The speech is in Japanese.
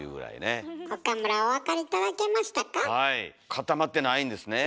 固まってないんですねえ。